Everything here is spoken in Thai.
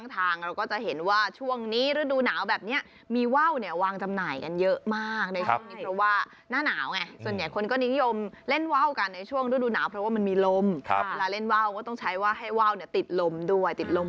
แต่ละว้าวเห็นแล้วโว้ว